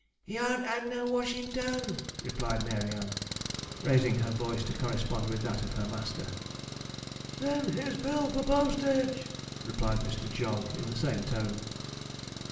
'He harn't had no washin' done,' replied Mary Ann, raising her voice to correspond with that of her master. 'Then his bill for postage,' replied Mr. Jog, in the same tone.